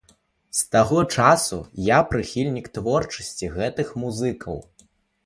З таго часу я прыхільнік творчасці гэтых музыкаў.